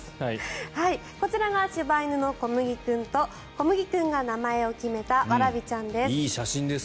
こちらが柴犬のこむぎ君とこむぎ君が名前を決めたいい写真です。